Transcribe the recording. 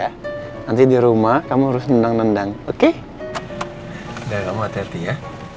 yaudah papa tungguin di rumah ya